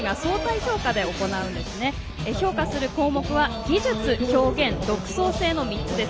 評価する項目は技術、表現、独創性の３つです。